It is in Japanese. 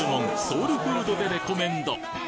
ソウルフードでレコメンド！